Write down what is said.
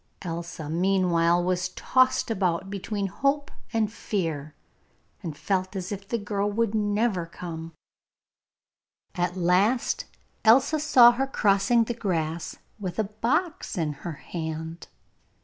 Elsa meanwhile was tossed about between hope and fear, and felt as if the girl would never come. At last Elsa saw her crossing the grass with a box in her hand.